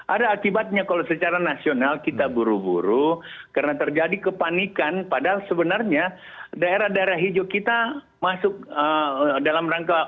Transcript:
ada akibatnya kalau secara nasional kita buru buru karena terjadi kepanikan padahal sebenarnya daerah daerah hijau kita masuk dalam rangka